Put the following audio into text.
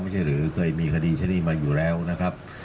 ไม่ใช่เลยเคยมีคดีเช้นนี่มาอยู่แล้วนะครับ